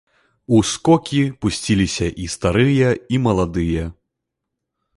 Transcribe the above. У скокі пусціліся і старыя, і маладыя.